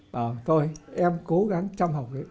bảo tôi em cố gắng chăm học